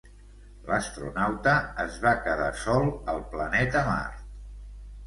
L'astronauta és va quedar sol al planeta Mart.